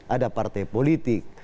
ada partai politik